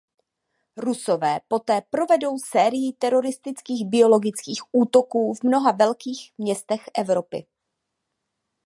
Rusové poté provedou sérii teroristických biologických útoků v mnoha velkých městech Evropy.